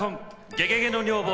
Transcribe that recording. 「ゲゲゲの女房」